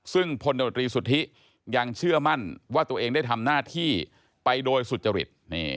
ซึ่งพลตรีสุทธิยังเชื่อมั่นว่าตัวเองได้ทำหน้าที่ไปโดยสุจริต